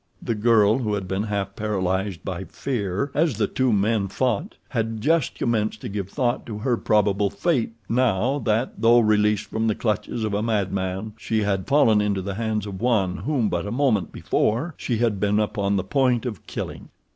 The girl, who had been half paralyzed by fear as the two men fought, had just commenced to give thought to her probable fate now that, though released from the clutches of a madman, she had fallen into the hands of one whom but a moment before she had been upon the point of killing.